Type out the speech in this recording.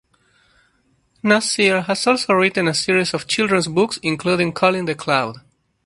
Nasir has also written a series of children's books including Colin The Cloud.